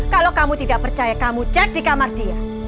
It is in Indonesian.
kalau kamu tidak percaya kamu cek di kamar dia